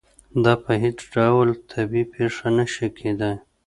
دا په هېڅ ډول طبیعي پېښه نه شي کېدای.